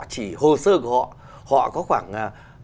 chỉ hồ sơ của họ họ có khoảng